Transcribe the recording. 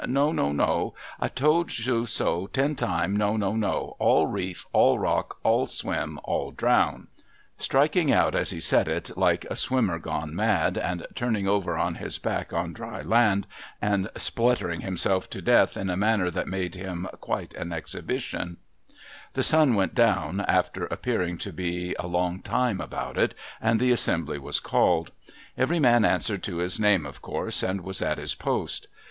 ' No, no, no ! Told you so, ten time. ' No, no, no ! All reef, all rock, all swim, all drown :' Striking out as he said it, like a swimmer gone mad, and turning over on his back on dry land, and splutter ing lumself to death, in a manner that made him quite an exhibition. AN EXPEDITION AGAINST PIRATES 157 The sun went down, after appearing to be a long time about it, and the assembly was called. Every man answered to his name, of course, and was at his post.